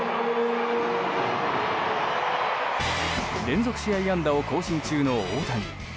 連続試合安打を更新中の大谷。